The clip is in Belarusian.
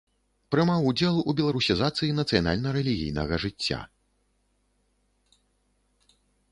Прымаў удзел у беларусізацыі нацыянальна-рэлігійнага жыцця.